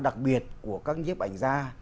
đặc biệt của các nhếp ảnh ra